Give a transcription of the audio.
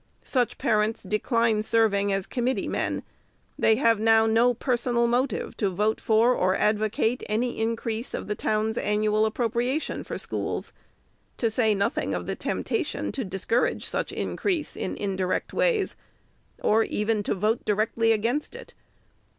Such parents decline serving as committee men. They have now no personal motive to vote for, or advocate, any increase of 412 THE SECRETARY'S the town's annual appropriation for schools ; to say noth ing of the temptation to discourage such increase in in direct ways, or even to vote directly against it.